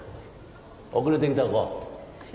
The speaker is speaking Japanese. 遅れて来た子。